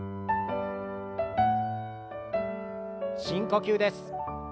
深呼吸です。